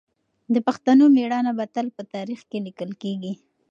د پښتنو مېړانه به تل په تاریخ کې لیکل کېږي.